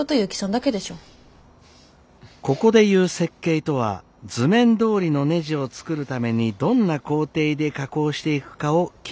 ここでいう設計とは図面どおりのねじを作るためにどんな工程で加工していくかを決めることです。